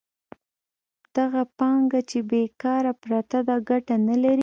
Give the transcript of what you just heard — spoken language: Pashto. دغه پانګه چې بېکاره پرته ده ګټه نلري